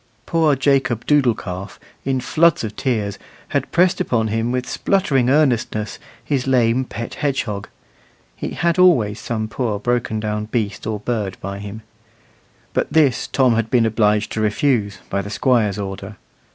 Poor Jacob Doodle calf, in floods of tears, had pressed upon him with spluttering earnestness his lame pet hedgehog (he had always some poor broken down beast or bird by him); but this Tom had been obliged to refuse, by the Squire's order.